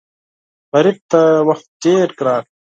غریب ته وخت ډېر ګران وي